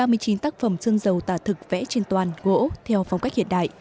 ba mươi chín tác phẩm xương dầu tà thực vẽ trên toàn gỗ theo phong cách hiện đại